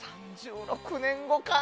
３６年後か。